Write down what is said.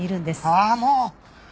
ああもう！